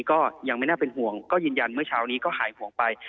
ก็ยังไม่น่าเป็นห่วงก็ยืนยันเมื่อเช้านี้ก็หายห่วงไป